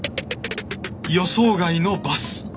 予想外のバス！